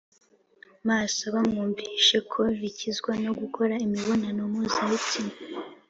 maso, bamwumvisha ko bikizwa no gukora imibonano mpuzabitsina.